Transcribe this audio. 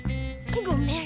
ごめん。